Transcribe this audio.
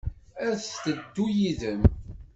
Ad d-teddu yid-m?